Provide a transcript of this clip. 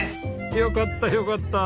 よかったよかった。